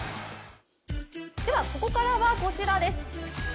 ここからはこちらです。